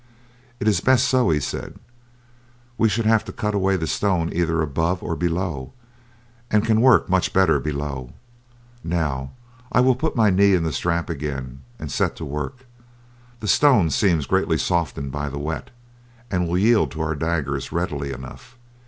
"It is best so," he said; "we should have to cut away the stone either above or below, and can work much better below. Now I will put my knee in the strap again and set to work. The stone seems greatly softened by the wet, and will yield to our daggers readily enough.